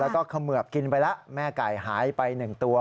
แล้วก็เขมือบกินไปแล้วแม่ไก่หายไป๑ตัว